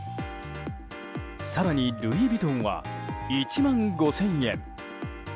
更にルイ・ヴィトンは１万５０００円。